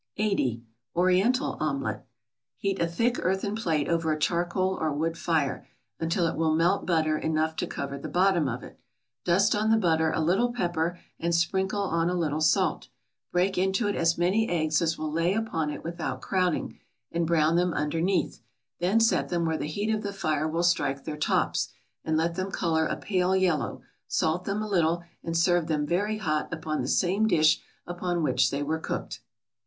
80. =Oriental Omelette.= Heat a thick earthen plate over a charcoal or wood fire, until it will melt butter enough to cover the bottom of it, dust on the butter a little pepper, and sprinkle on a little salt; break into it as many eggs as will lay upon it without crowding, and brown them underneath; then set them where the heat of the fire will strike their tops, and let them color a pale yellow; salt them a little, and serve them very hot upon the same dish upon which they were cooked.